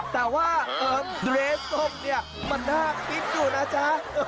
แต่ว่าเกรสส้มเนี่ยมันน่าคิดอยู่นะจ๊ะ